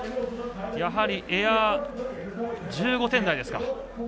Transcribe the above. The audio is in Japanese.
やはりエア１５点台ですか。